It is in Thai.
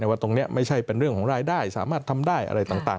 ว่าตรงนี้ไม่ใช่เป็นเรื่องของรายได้สามารถทำได้อะไรต่าง